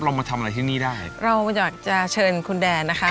มาทำอะไรที่นี่ได้เราอยากจะเชิญคุณแดนนะคะ